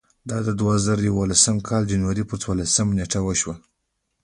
دا د دوه زره یولسم کال د جنورۍ پر څوارلسمه نېټه وشوه.